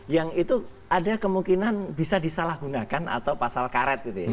yang itu ada kemungkinan bisa disalahgunakan atau pasal karet gitu ya